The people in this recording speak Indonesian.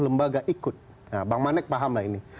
lembaga ikut nah bang manek paham lah ini